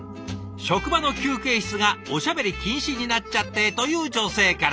職場の休憩室がおしゃべり禁止になっちゃってという女性から。